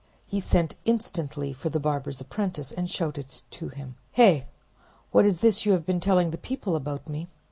He sent instantly for the barber's apprentice, and shouted to him— "Heh! what is this you have been telling the people about me."